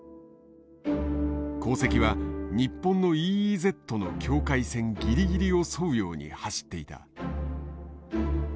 航跡は日本のＥＥＺの境界線ぎりぎりを沿うように走っていた。